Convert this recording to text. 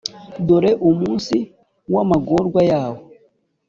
dore umunsi w’amagorwa yawo